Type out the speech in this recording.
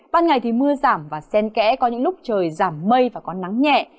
ban ngày thì mưa giảm và sen kẽ có những lúc trời giảm mây và có nắng nhẹ